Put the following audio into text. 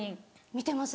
見てます